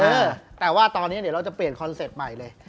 เออแต่ว่าตอนนี้เดี๋ยวเราจะเปลี่ยนคอนเซ็ปต์ใหม่เลย